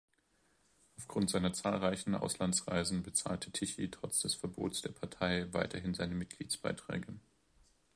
Aufgrund seiner zahlreichen Auslandsreisen bezahlte Tichy trotz des Verbots der Partei weiterhin seine Mitgliedsbeiträge.